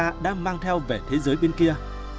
có lẽ hai danh ca đã mang theo về thế giới bên kia